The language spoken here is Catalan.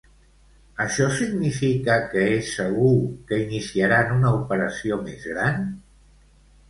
Això significa que és segur que iniciaran una operació més gran?